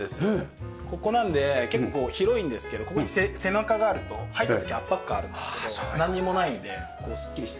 ここなんで結構広いんですけどここに背中があると入った時圧迫感あるんですけどなんにもないんでスッキリして。